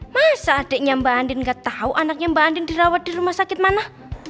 masa adiknya mbak andin gak tahu anaknya mbak andin dirawat di rumah sakit mana